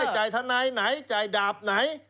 ใจทนัยไหนใจดาบไหน